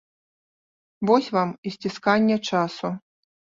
Вось вам і сцісканне часу.